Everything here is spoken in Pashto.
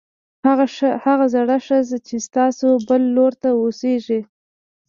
هغه زړه ښځه چې ستاسو بل لور ته اوسېږي